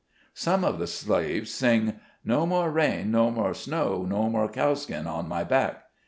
Some of the slaves sing —" No more rain, no more snow, No more cowskin on my back